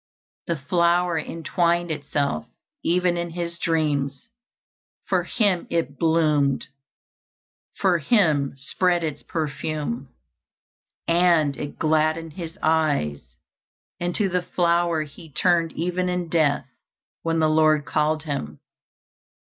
The flower entwined itself even in his dreams for him it bloomed, for him spread its perfume. And it gladdened his eyes, and to the flower he turned, even in death, when the Lord called him.